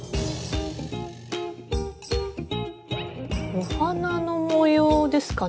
お花の模様ですかね？